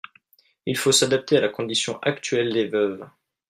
Il faut s’adapter à la condition actuelle des veuves.